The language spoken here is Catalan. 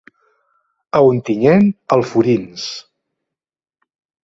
A Ontinyent, alforins.